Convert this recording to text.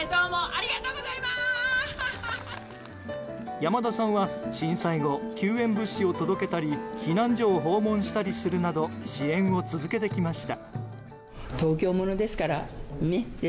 山田さんは震災後救援物資を届けたり避難所を訪問したりするなど支援を続けてきました。